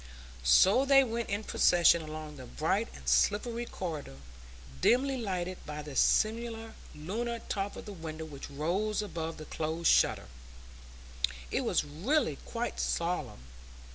So they went in procession along the bright and slippery corridor, dimly lighted by the semi lunar top of the window which rose above the closed shutter; it was really quite solemn.